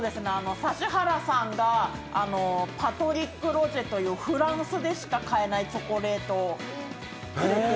指原さんがパトリック・ロジェというフランスでしか買えないチョコレートをくれて。